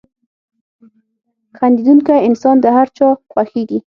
• خندېدونکی انسان د هر چا خوښېږي.